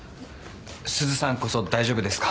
鈴さんこそ大丈夫ですか？